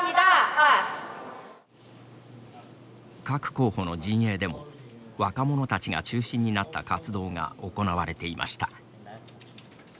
各候補の陣営でも若者たちが中心になった活動が行われていました。